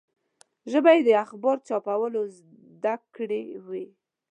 ژبه یې د اخبار چاپول زده کړي وو.